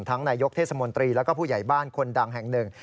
นายกเทศมนตรีแล้วก็ผู้ใหญ่บ้านคนดังแห่งหนึ่ง